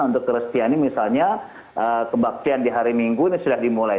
untuk kristiani misalnya kebaktian di hari minggu ini sudah dimulai